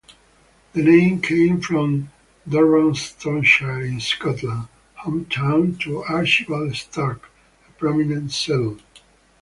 The name came from Dunbartonshire in Scotland, hometown to Archibald Stark, a prominent settler.